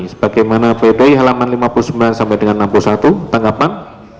sebagaimana pdi halaman lima puluh sembilan sampai dengan enam puluh satu tanggapan